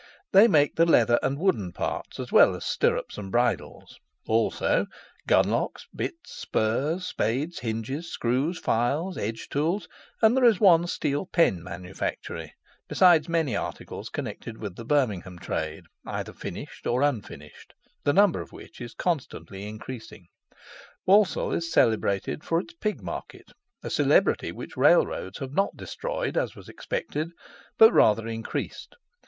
They make the leather and wooden parts, as well as stirrups and bridles; also gunlocks, bits, spurs, spades, hinges, screws, files, edge tools, and there is one steel pen manufactory, besides many articles connected with the Birmingham trade, either finished or unfinished, the number of which is constantly increasing. Walsall is celebrated for its pig market, a celebrity which railroads have not destroyed, as was expected, but rather increased.